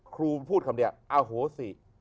ครูพูดคำเดียวอโหสิ